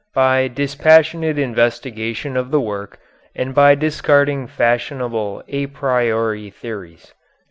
by dispassionate investigation of the work and by discarding fashionable a priori theories."